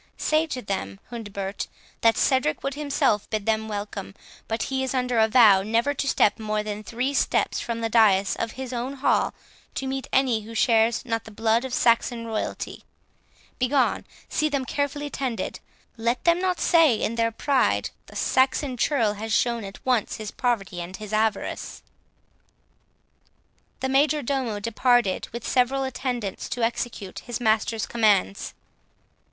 Say to them, Hundebert, that Cedric would himself bid them welcome, but he is under a vow never to step more than three steps from the dais of his own hall to meet any who shares not the blood of Saxon royalty. Begone! see them carefully tended; let them not say in their pride, the Saxon churl has shown at once his poverty and his avarice." The major domo departed with several attendants, to execute his master's commands.